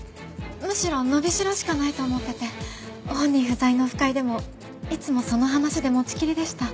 むしろ伸び代しかないと思ってて本人不在のオフ会でもいつもその話で持ちきりでした。